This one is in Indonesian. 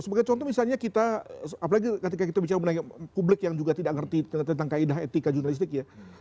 sebagai contoh misalnya kita apalagi ketika kita bicara mengenai publik yang juga tidak mengerti tentang kaedah etika jurnalistik ya